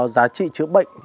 giá trị chữa bệnh